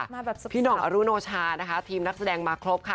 มาแบบพี่หน่องอรุโนชานะคะทีมนักแสดงมาครบค่ะ